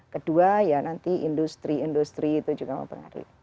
kedua ya nanti industri industri itu juga mempengaruhi